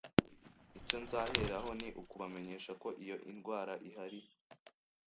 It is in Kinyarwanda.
Icyo nzaheraho ni ukubamenyesha ko iyo indwara ihari